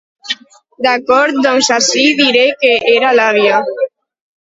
D'acord, doncs així diré que era l'àvia!